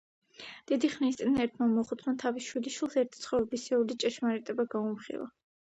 დიდი ხნის წინ ერთმა მოხუცმა თავის შვილიშვილს ერთი ცხოვრებისეული ჭეშმარიტება გაუმხილა.